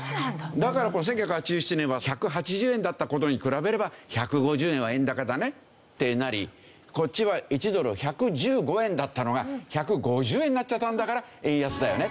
だから１９８７年は１８０円だった事に比べれば１５０円は円高だねってなりこっちは１ドル１１５円だったのが１５０円になっちゃったんだから円安だよね。